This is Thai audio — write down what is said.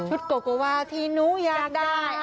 โกโกวาที่หนูอยากได้